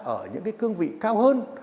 ở những cái cương vị cao hơn